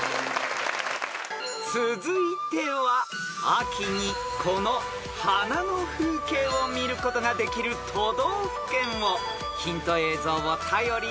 ［続いては秋にこの花の風景を見ることができる都道府県をヒント映像を頼りにお答えください］